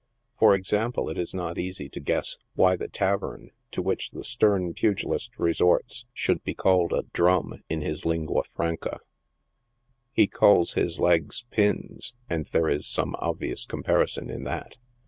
For example, it is not easy to guess why the tavern to which the^tern pugilist resorts, should be called a fi drum," in his linquctyranca. Ho calls his leg3 " pins," and there is some obvious comparison in that.